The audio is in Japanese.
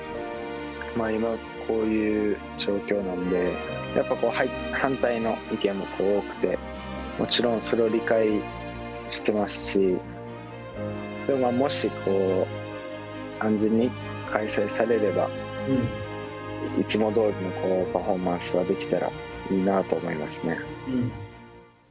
今はこういう状況なんで、やっぱ反対の意見も多くて、もちろん、それも理解してますし、もし安全に開催されれば、いつもどおりのパフォーマンスができたらいいなぁと思いますね。